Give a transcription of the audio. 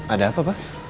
ada apa pak